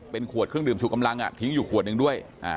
เป็นขวดเครื่องดื่นผิวกำลังอ่ะถิงอยู่ขวดหนึ่งด้วยอะ